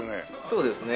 そうですね。